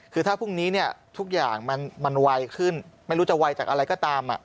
คือถ้าพรุ่งนี้เนี่ยทุกอย่างมันไวขึ้นไม่รู้จะไวจากอะไรก็ตาม